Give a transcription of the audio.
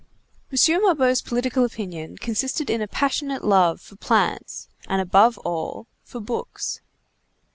M. Mabeuf's political opinion consisted in a passionate love for plants, and, above all, for books.